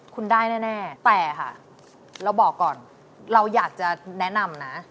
คุณได้แน่แต่ค่ะเราบอกก่อนเราอยากจะแนะนำนะ